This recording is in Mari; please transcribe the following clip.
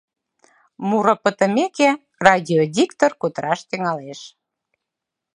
Муро пытымеке, радиодиктор кутыраш тӱҥалеш.